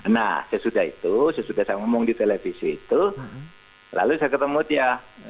nah sesudah itu sesudah saya ngomong di televisi itu lalu saya ketemu dia